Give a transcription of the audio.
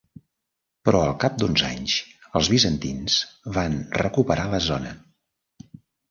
Però al cap d'uns anys els bizantins van recuperar la zona.